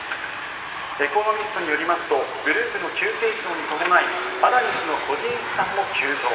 エコノミストによりますとグループの急成長に伴いアダニ氏の個人資産も急増。